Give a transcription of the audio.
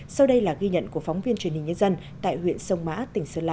sau đây là ghi nhận của phóng viên truyền hình nhân dân tại huyện sông mã tỉnh sơn la